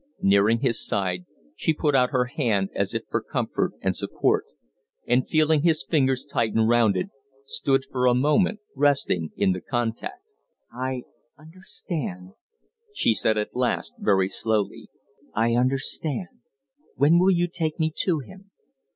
Nearing his side, she put out her hand as if for comfort and support; and, feeling his fingers tighten round it, stood for a moment resting in the contact. "I understand," she said at last, very slowly. "I understand. When will you take me to him?"